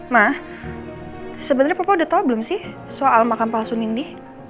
ma sebenernya papa udah tau belum sih soal makan palsu mindy